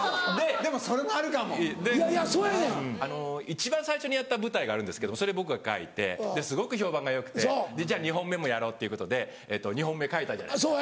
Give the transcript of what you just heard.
一番最初にやった舞台があるんですけどそれ僕が書いてすごく評判がよくてじゃあ２本目もやろうっていうことで２本目書いたじゃないですか。